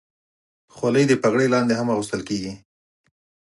خولۍ د پګړۍ لاندې هم اغوستل کېږي.